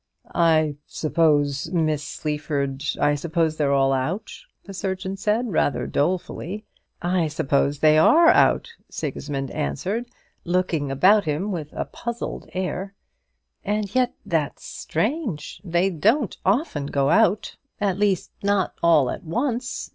"I suppose Miss Sleaford I suppose they're all out," the surgeon said, rather dolefully. "I suppose they are out," Sigismund answered, looking about him with a puzzled air; "and yet, that's strange. They don't often go out; at least, not all at once.